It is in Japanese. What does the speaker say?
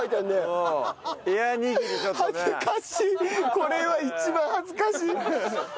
これは一番恥ずかしい。